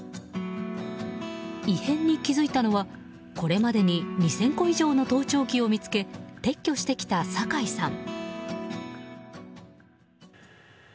異変に気付いたのはこれまでに２０００個以上の盗聴器を見つけ撤去してきた酒井さん。